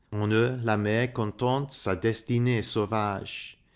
En eux la mer contente sa destine'e sauvage.